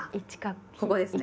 ここですね。